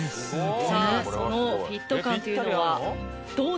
さあそのフィット感というのはどうなんでしょうか？